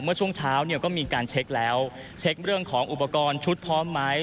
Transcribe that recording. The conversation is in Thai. เมื่อช่วงเช้าเนี่ยก็มีการเช็คแล้วเช็คเรื่องของอุปกรณ์ชุดพร้อมไหม